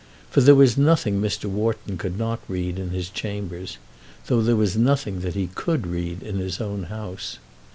For there was nothing Mr. Wharton could not read in his chambers, though there was nothing that he could read in his own house.